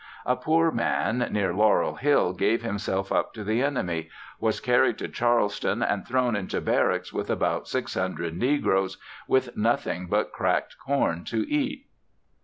A poor man near Laurel Hill gave himself up to the enemy; was carried to Charleston and thrown into barracks with about six hundred negroes, with nothing but cracked corn to eat.